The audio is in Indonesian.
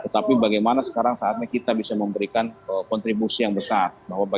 tapi bagaimana sekarang kita bisa memberikan kontribusi yang besar